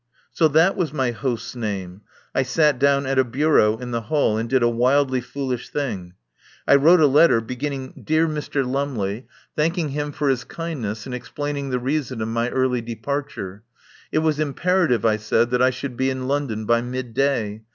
So that was my host's name. I sat down at a bureau in the hall and did a wildly foolish thing. I wrote a letter, beginning "Dear Mr. Lum 82 TELLS OF A MIDSUMMER NIGHT ley," thanking him for his kindness and ex plaining the reason of my early departure. It was imperative, I said, that I should be in London by midday.